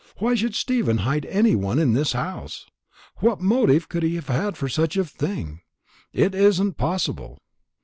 Why should Stephen hide any one in his house? What motive could he have for such a thing? It isn't possible."